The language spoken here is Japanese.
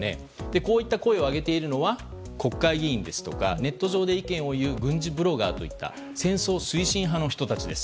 こういった声を上げているのは国会議員ですとかネット上で意見を言う軍事ブロガーといった戦争推進派の人たちです。